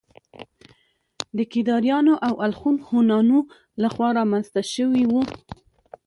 د کيداريانو او الخون هونانو له خوا رامنځته شوي وو